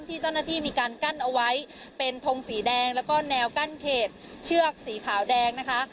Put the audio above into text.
ที่เจ้าหน้าที่มีการกั้นเอาไว้เป็นทงสีแดงแล้วก็แนวกั้นเขตเชือกสีขาวแดงนะคะ